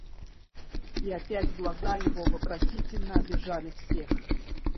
И опять глаза его вопросительно обежали всех.